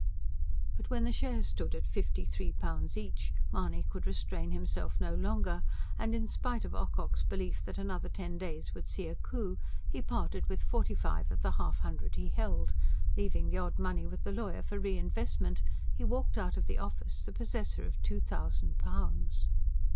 But when the shares stood at fifty three pounds each, Mahony could restrain himself no longer; and, in spite of Ocock's belief that another ten days would see a COUP, he parted with forty five of the half hundred he held. Leaving the odd money with the lawyer for re investment, he walked out of the office the possessor of two thousand pounds.